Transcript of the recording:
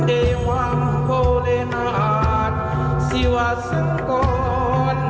ได้ความโฮเลนาสสิวาสังกร